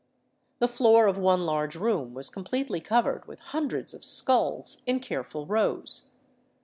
The floor of one large room was completely covered with hundreds of skulls in careful rows.